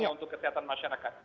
untuk kesehatan masyarakat